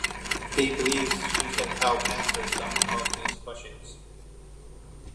He believes she can help answer some of his questions.